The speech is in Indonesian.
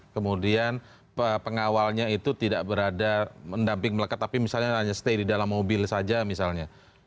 kemudian pengawalnya itu tidak berada mendamping melekat tapi misalnya hanya stay di dalam mobil saja misalnya